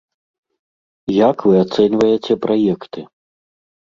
Як вы ацэньваеце праекты?